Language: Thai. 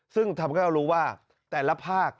ซึ่งทำให้เรารู้ว่าแต่ละภาค